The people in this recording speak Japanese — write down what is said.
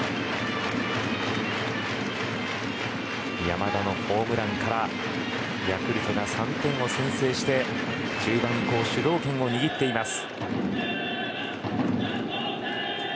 山田のホームランからヤクルトが３点を先制して中盤以降主導権を握っています。